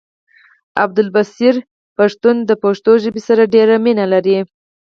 عبدالبصير پښتون د پښتو ژبې سره ډيره مينه لري